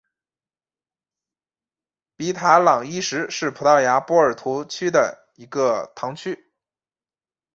比塔朗伊什是葡萄牙波尔图区的一个堂区。